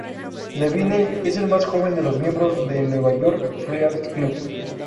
Levine es el más joven de los miembros del New York Friars' Club.